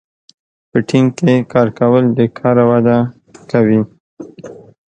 په ټیم کې کار کول د کار وده کوي.